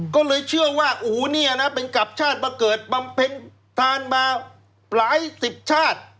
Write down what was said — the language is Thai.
ก็เลยเชื่อว่าอู๋เนี่ยนะเป็นกลับชาติมาเกิดบำเพ็ญทานมาหลายสิบชาติ